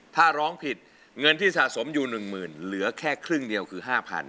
ถ้าร้องผิดเงินที่สะสมอยู่๑๐๐๐เหลือแค่ครึ่งเดียวคือ๕๐๐